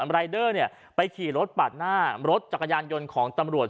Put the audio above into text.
รายเดอร์ไปขี่รถปาดหน้ารถจักรยานยนต์ของตำรวจ